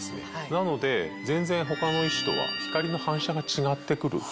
なので全然他の石とは光の反射が違ってくる。